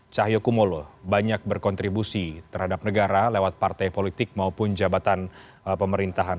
cahyokumolo banyak berkontribusi terhadap negara lewat partai politik maupun jabatan pemerintahan